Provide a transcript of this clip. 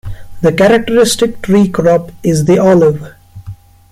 The characteristic tree crop is the olive.